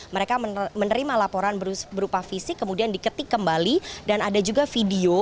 mereka menerima laporan berupa fisik kemudian diketik kembali dan ada juga video